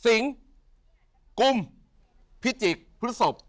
สิงค์กุมพิจิกพุทธศพ